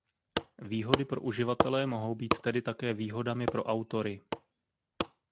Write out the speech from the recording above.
Výhody pro uživatele mohou být tedy také výhodami pro autory.